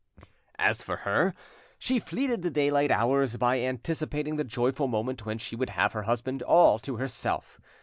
As for her, she fleeted the daylight hours by anticipating the joyful moment when she would have her husband all to herself.